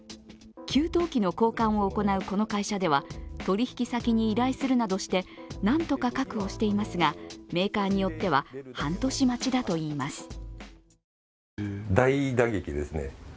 給湯器の交換を行うこの会社では取引先に依頼するなどしてなんとか確保していますがメーカーによっては半年待ちだといいます。